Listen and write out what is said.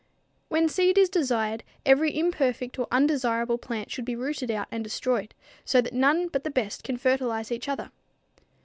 When seed is desired, every imperfect or undesirable plant should be rooted out and destroyed, so that none but the best can fertilize each other.